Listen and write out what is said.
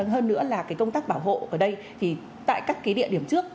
hơn nữa là công tác bảo hộ ở đây thì tại các cái địa điểm trước